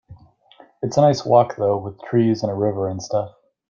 It's a nice walk though, with trees and a river and stuff.